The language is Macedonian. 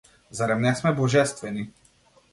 Зарем не сме божествени?